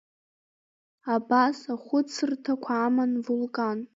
Абас ахәыцрҭақәа аман Вулкан.